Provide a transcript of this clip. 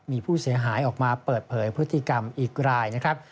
มีผู้เสียหายออกมาเปิดเผยพฤติกรรมอีกรายนะครับ